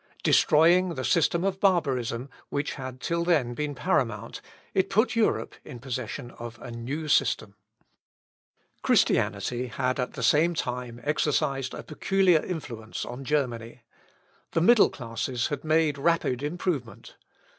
Destroying the system of barbarism, which had till then been paramount, it put Europe in possession of a new system. Christianity had, at the same time, exercised a peculiar influence on Germany. The middle classes had made rapid improvement.